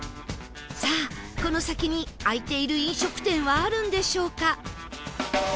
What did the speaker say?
さあこの先に開いている飲食店はあるんでしょうか？